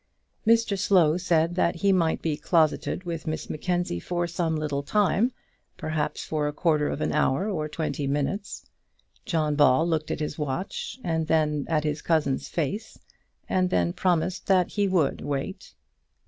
Mr Slow said that he might be closeted with Miss Mackenzie for some little time, perhaps for a quarter of an hour or twenty minutes. John Ball looked at his watch, and then at his cousin's face, and then promised that he would wait.